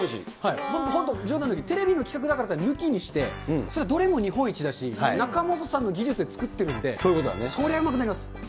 本当、冗談抜きで、テレビの企画だからとか抜きにして、どれも日本一だし、中本さんの技術で作ってるんで、それはうまくなります。